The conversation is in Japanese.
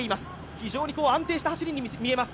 非常に安定した走りに見えます。